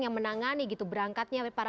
yang menangani gitu berangkatnya para